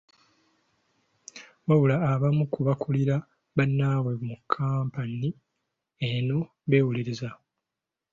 Wabula abamu ku bakulira bannaabwe mu kkampuni eno beewolerezza.